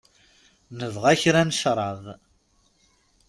Nebɣa kra n cṛab.